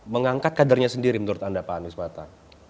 mengangkat kadernya sendiri menurut anda pak anies mata